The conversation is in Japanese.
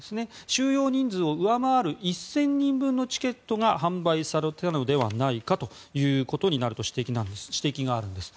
収容人数を上回る１０００人分のチケットが販売されたのではないかということになるという指摘があるんです。